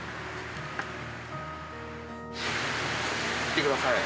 見てください。